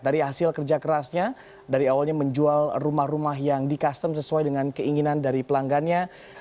dari hasil kerja kerasnya dari awalnya menjual rumah rumah yang di custom sesuai dengan keinginan dari pelanggannya